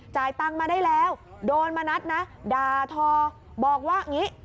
ตังค์มาได้แล้วโดนมานัดนะด่าทอบอกว่าอย่างนี้